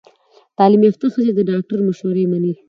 تعلیم یافته ښځې د ډاکټر مشورې مني۔